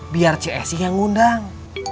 biar csi yang undang